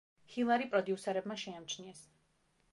ჰილარი პროდიუსერებმა შეამჩნიეს.